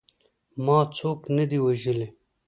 ما څوک نه دي وژلي.